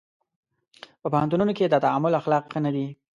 په پوهنتونونو کې د تعامل اخلاق ښه نه دي.